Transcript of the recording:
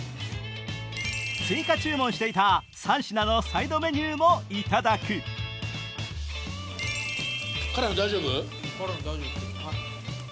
追加注文していた３品のサイドメニューもいただく辛さ大丈夫？